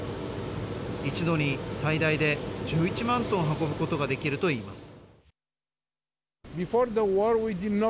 一度に最大で１１万トン運ぶことができるといいます。